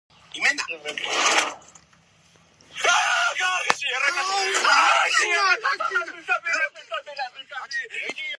არაბული კულტურის ცენტრმა გადაინაცვლა სირიაში, ეგვიპტესა და ესპანეთში.